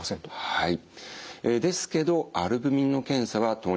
はい。